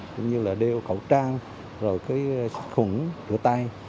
cũng như là đeo khẩu trang khử khủng rửa tay